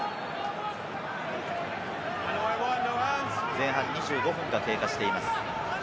前半２５分が経過しています。